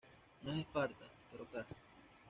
No es Esparta, pero casi".